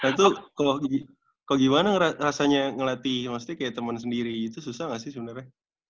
itu kalau gimana rasanya ngelatih maksudnya kayak temen sendiri itu susah nggak sih sebenarnya